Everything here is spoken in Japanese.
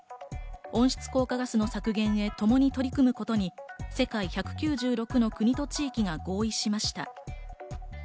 温室効果ガスの削減へ、ともに取り組むことに世界１９６の国と地域が合意しました。